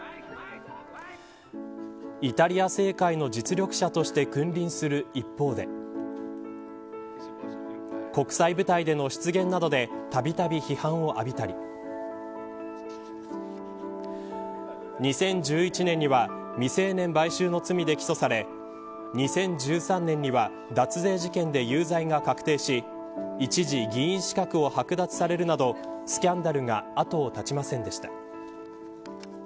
イタリア政界の実力者として君臨する一方で国際舞台での失言などでたびたび、批判を浴びたり２０１１年には未成年買春の罪で起訴され２０１３年には脱税事件で有罪が確定し一時議員資格をはく奪されるなどスキャンダルが後を絶ちませんでした。